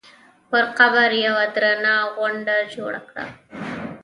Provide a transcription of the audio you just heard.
پر قبر یوه درنه غونډه جوړه کړه.